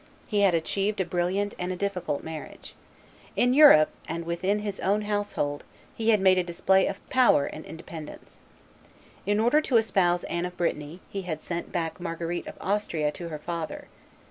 He had achieved a brilliant and a difficult marriage. In Europe, and within his own household, he had made a display of power and independence. In order to espouse Anne of Brittany, he had sent back Marguerite of Austria to her father.